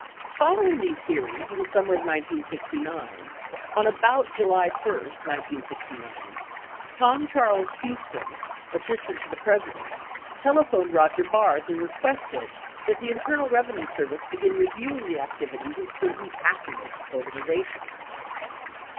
58 Following these hearings in the summer of 1969, on about July 1, 1969, Tom Charles Huston, Assistant to the President, telephoned Roger Barth and requested that the Internal Revenue Service begin reviewing the activities of certain activist organizations.